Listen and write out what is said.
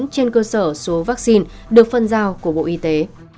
trên cơ sở số vaccine được phân giao của bộ y tế